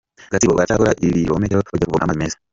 Gatsibo Baracyakora ibirometero bajya kuvoma amazi meza